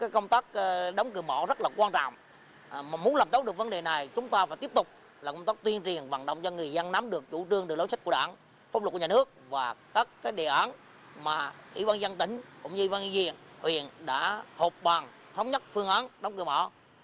công tác đóng cửa mỏ rất là quan trọng mà muốn làm tốt được vấn đề này chúng ta phải tiếp tục là công tác tuyên truyền vận động cho người dân nắm được chủ trương đường lối sách của đảng phong luật của nhà nước và các cái đề án mà ủy ban dân tỉnh cũng như ủy ban nhân viên huyện đã hợp bằng thống nhất phương án đóng cửa mỏ